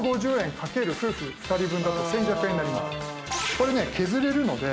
これね削れるので。